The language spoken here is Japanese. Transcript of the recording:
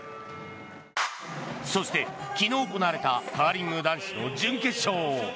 そして昨日行われたカーリング男子の準決勝。